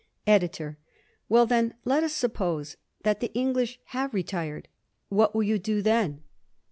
EDITOR: Well then, let us suppose that the English have retired. What will you do then?